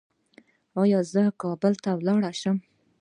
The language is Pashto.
ایا زه کابل ته لاړ شم؟